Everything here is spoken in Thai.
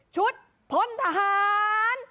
ชุดพลทหาร